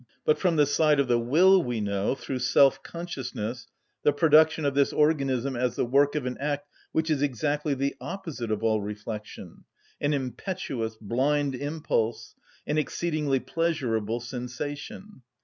But from the side of the will we know, through self‐ consciousness, the production of this organism as the work of an act which is exactly the opposite of all reflection, an impetuous, blind impulse, an exceedingly pleasurable sensation.